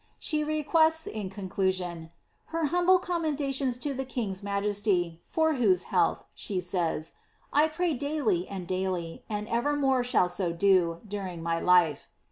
'' She requests, in conclusion, ^ her humble commendations to the king's omf jesty, for whose health," she says, ^ I pray daily and daily, and ever more shall so do, during my life.